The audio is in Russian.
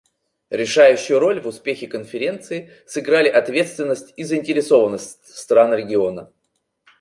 Решающую роль в успехе Конференции сыграли ответственность и заинтересованность стран региона.